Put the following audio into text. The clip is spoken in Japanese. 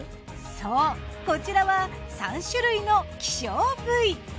そうこちらは３種類の稀少部位。